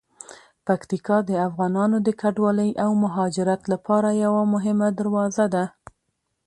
پکتیکا د افغانانو د کډوالۍ او مهاجرت لپاره یوه مهمه دروازه ده.